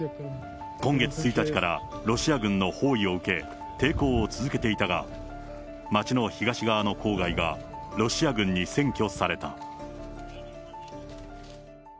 今月１日からロシア軍の包囲を受け、抵抗を続けていたが、町の東側の郊外がロシア軍に占拠された。